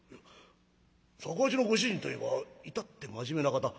雑穀八のご主人といえば至って真面目な方。